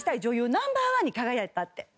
ナンバーワンに輝いたって。